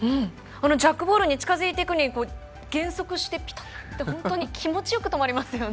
ジャックボールに近づいていって減速してぴたっと気持ちよく止まりますね。